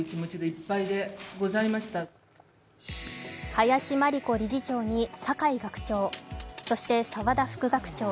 林真理子理事長に、酒井学長、そして澤田副学長。